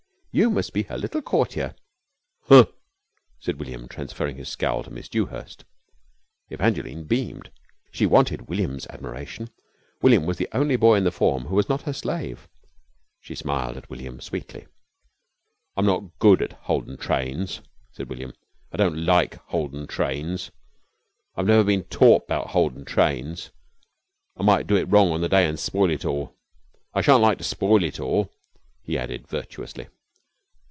You must be her little courtier." "Huh!" said William, transferring his scowl to Miss Dewhurst. Evangeline beamed. She wanted William's admiration. William was the only boy in the form who was not her slave. She smiled at William sweetly. "I'm not good at holdin' trains," said William. "I don't like holdin' trains. I've never bin taught 'bout holdin' trains. I might do it wrong on the day an' spoil it all. I shan't like to spoil it all," he added virtuously.